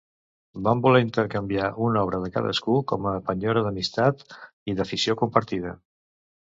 Van voler intercanviar una obra de cadascú, com a penyora d'amistat i d'afició compartida.